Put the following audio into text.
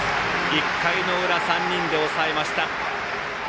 １回裏、３人で抑えました。